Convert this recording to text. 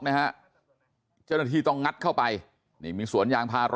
แล้วก็ยัดลงถังสีฟ้าขนาด๒๐๐ลิตร